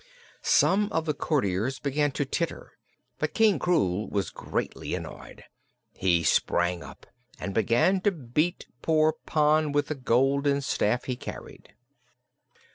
Some of the courtiers began to titter, but King Krewl was greatly annoyed. He sprang up and began to beat poor Pon with the golden staff he carried.